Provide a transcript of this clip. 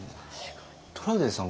トラウデンさん